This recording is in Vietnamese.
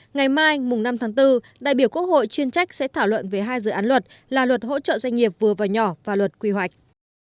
ngày mai năm tháng bốn đại biểu quốc hội chuyên trách sẽ thảo luận về hai dự án luật là luật hỗ trợ doanh nghiệp vừa và nhỏ và luật quy hoạch